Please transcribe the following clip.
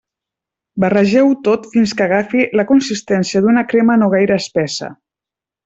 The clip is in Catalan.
Barregeu-ho tot fins que agafi la consistència d'una crema no gaire espessa.